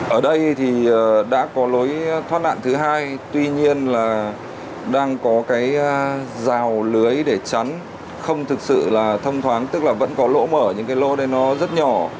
ở đây thì đã có lối thoát nạn thứ hai tuy nhiên là đang có cái rào lưới để chắn không thực sự là thông thoáng tức là vẫn có lỗ mở những cái lô đấy nó rất nhỏ